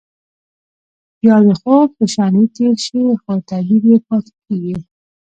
يا د خوب په شانې تير شي خو تعبير يې پاتې کيږي.